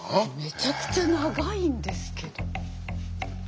めちゃくちゃ長いんですけど。